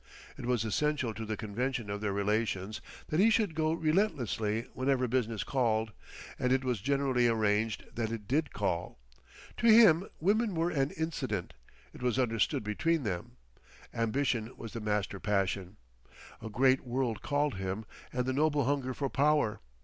It was essential to the convention of their relations that he should go relentlessly whenever business called, and it was generally arranged that it did call. To him women were an incident, it was understood between them; Ambition was the master passion. A great world called him and the noble hunger for Power.